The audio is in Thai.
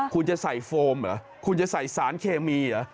คุณจะใส่โฟมเหรอคุณจะใส่สารเคมีเหรอ